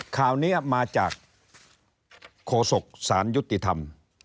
ข่าวนี้มาจากโฆษกสารยุติธรรม